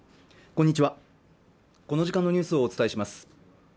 こんにちはこの時間のニュースをお伝えします